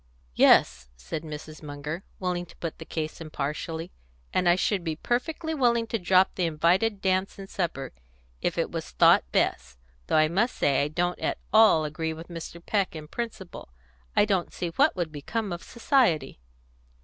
"Yes," said Mrs. Munger, willing to put the case impartially; "and I should be perfectly willing to drop the invited dance and supper, if it was thought best, though I must say I don't at all agree with Mr. Peck in principle. I don't see what would become of society."